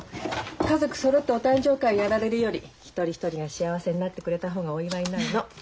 家族そろってお誕生会やられるより一人一人が幸せになってくれた方がお祝いになるの。